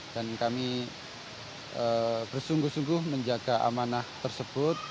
dan kami bersungguh sungguh menjaga amanah tersebut